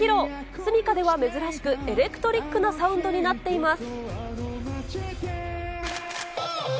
ｓｕｍｉｋａでは珍しく、エレクトリックなサウンドになっています。